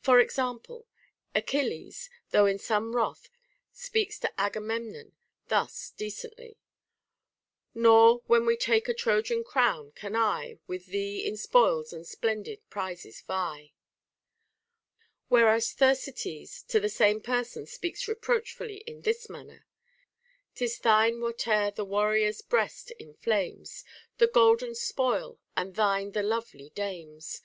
For example, Achilles, though in some wrath, speaks to Agamemnon thus de cently : Nor, when we take a Trojan town, can I With thee in spoils and splendid prizes vie ;* whereas Thersites to the same person speaks reproachfully in this manner :— 'Tis thine wliate'er the warrior's breast inflames, The golden spoil, and thine the lovely dames.